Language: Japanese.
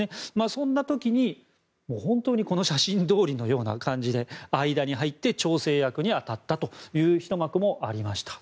そんな時に本当にこの写真どおりの感じで間に入って調整役に当たったというひと幕もありました。